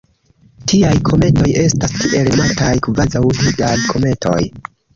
Tiaj kometoj estas tiel nomataj kvazaŭ-Hildaj kometoj.